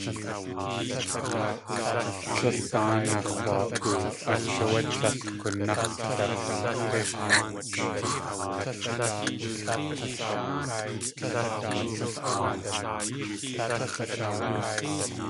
Tlél dáanaa x̲wa.oo ách áwé tlél kunax̲dag̲íxʼch.